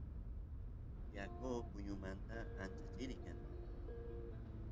yaku puñumanta ancha churi kan